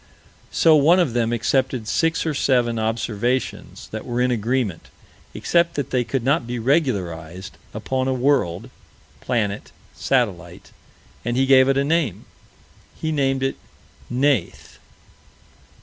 So one of them accepted six or seven observations that were in agreement, except that they could not be regularized, upon a world planet satellite and he gave it a name. He named it "Neith."